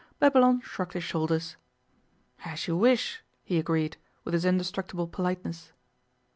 Babylon shrugged his shoulders. 'As you wish,' he agreed, with his indestructible politeness.